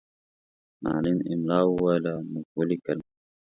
معلم املا وویله، موږ ولیکله.